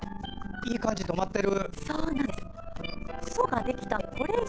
いい感じで止まってる。